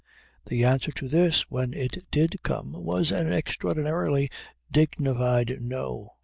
The answer to this when it did come was an extraordinarily dignified No.